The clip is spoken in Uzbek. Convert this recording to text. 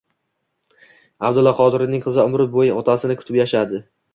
Abdulla Qodiriyning qizi umri boʻyi otasini kutib yashaydi.